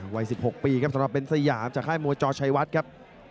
วัย๑๖ปีครับสำหรับเป็นสยามจากค่ายมวยจอชัยวัดครับ